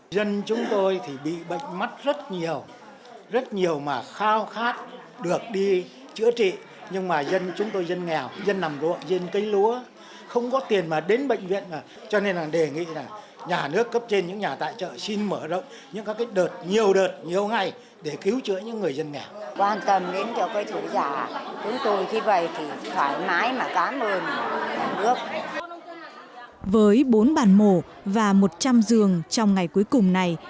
với bốn bàn mổ và một trăm giường trong ngày cuối cùng này